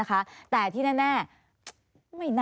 สวัสดีครับทุกคน